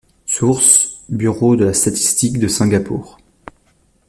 Source: Bureau de la statistique de Singapour.